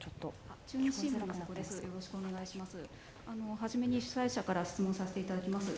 初めに主催者から質問させていただきます。